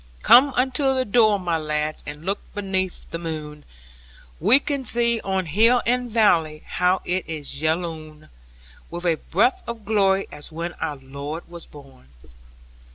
Come unto the door, my lads, and look beneath the moon, We can see, on hill and valley, how it is yelloon, With a breadth of glory, as when our Lord was born.